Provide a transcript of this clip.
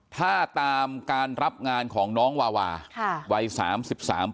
ถ้าตามการรับงานของน้องวาค่ะวัยสามสิบสามปี